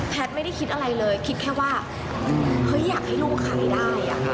ไม่ได้คิดอะไรเลยคิดแค่ว่าเฮ้ยอยากให้ลูกขายได้